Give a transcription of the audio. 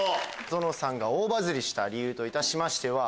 ぞのさんっが大バズりした理由といたしましては。